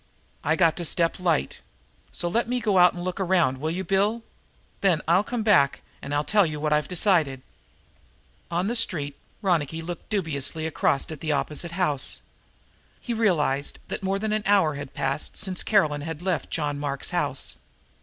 I got to step light. So let me go out and look around, will you, Bill? Then I'll come back and tell you what I've decided." Once in the street Ronicky looked dubiously across at the opposite house. He realized that more than an hour had passed since Caroline had left John Mark's house.